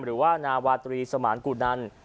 หรือว่านาวาตรีสมานกุนัน